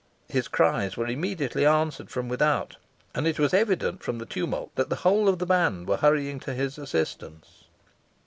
His cries were immediately answered from without, and it was evident from the tumult that the whole of the band were hurrying to his assistance.